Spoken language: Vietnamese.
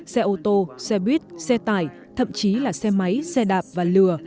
xe ô tô xe buýt xe tải thậm chí là xe máy xe đạp và lừa